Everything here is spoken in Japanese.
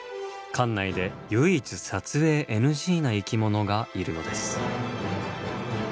館内で唯一撮影ＮＧな生き物がいるのです。